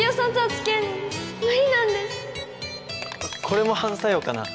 これも反作用かな？